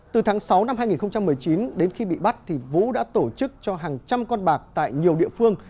từ tháng sáu năm hai nghìn một mươi chín đến khi bị bắt vũ đã tổ chức cho hàng trăm con bạc tại nhiều địa phương